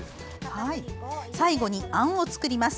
最後に、あんを作ります。